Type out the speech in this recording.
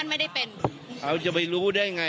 อันนี้จะต้องจับเบอร์เพื่อที่จะแข่งกันแล้วคุณละครับ